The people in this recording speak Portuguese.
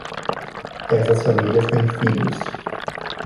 Essas famílias têm filhos.